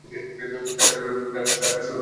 BBC বাংলার যাত্রা শুরু হয় কত সালে?